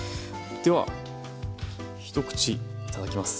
では一口頂きます。